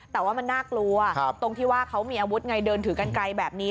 แต่ว่ามันน่ากลัวตรงที่ว่าเขามีอาวุธไงเดินถือกันไกลแบบนี้